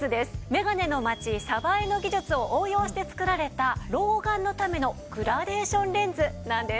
「めがねのまちさばえ」の技術を応用して作られた老眼のためのグラデーションレンズなんです。